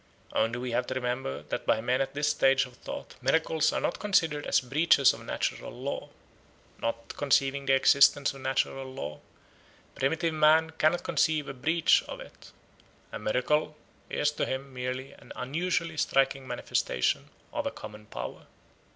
Only we have to remember that by men at this stage of thought miracles are not considered as breaches of natural law. Not conceiving the existence of natural law, primitive man cannot conceive a breach of it. A miracle is to him merely an unusually striking manifestation of a common power.